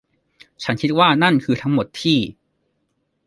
ฉันคิดว่านั่นคือทั้งหมดที่